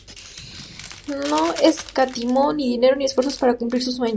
No escatimó ni dinero ni esfuerzos para cumplir su sueño.